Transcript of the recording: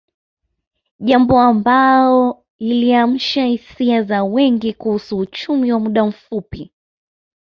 Jambo ambao liliamsha hisia za wengi kuhusu uchumi wa muda mfupi